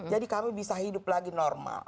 jadi kami bisa hidup lagi normal